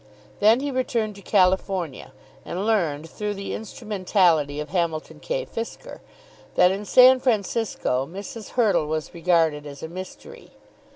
Then he returned to California, and learned through the instrumentality of Hamilton K. Fisker, that in San Francisco Mrs. Hurtle was regarded as a mystery.